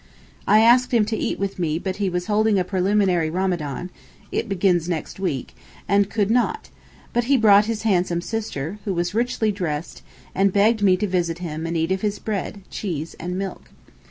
I asked him to eat with me but he was holding a preliminary Ramadan (it begins next week), and could not; but he brought his handsome sister, who was richly dressed, and begged me to visit him and eat of his bread, cheese and milk.